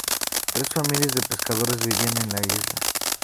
Tres familias de pescadores vivían en la isla.